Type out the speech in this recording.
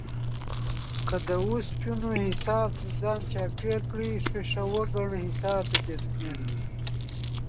که د اوسپنو حِصار تر ځان چاپېر کړې ښيښه وگڼه حِصار د دې دنيا